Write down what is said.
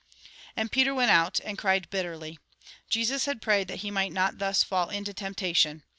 And Peter went out, and cried bitterly. Jesus had prayed that he might not thus fall into temptation.